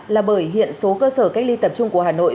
là bởi hiện số cơ sở cách ly tập trung của hà nội